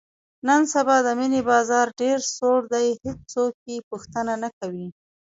نن سبا د مڼې بازار ډېر سوړ دی، هېڅوک یې پوښتنه نه کوي.